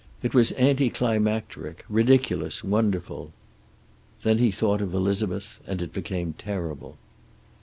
It was anti climacteric, ridiculous, wonderful. Then he thought of Elizabeth, and it became terrible.